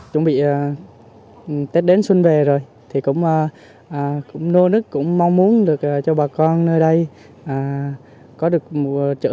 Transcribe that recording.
chuẩn bị tết đến xuân về rồi thì cũng nô nức cũng mong muốn được cho bà con nơi đây có được mùa trữ